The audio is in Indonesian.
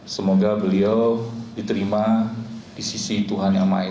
semoga beliau diterima di sisi tuhan yang maha esa